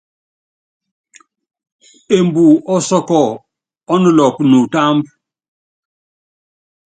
Embu osɔ́ɔ́kɔ ɔ́ nulop nutúmbú.